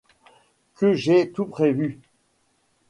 Que j’ai tout prévu.